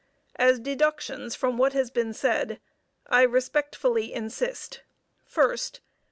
As deductions from what has been said, I respectfully insist, 1st.